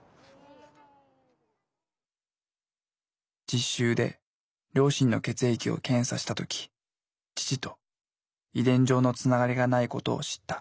実習で両親の血液を検査した時父と遺伝上のつながりがないことを知った。